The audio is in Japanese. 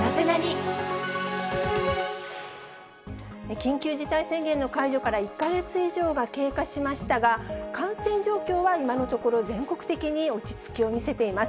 緊急事態宣言の解除から１か月以上が経過しましたが、感染状況は今のところ、全国的に落ち着きを見せています。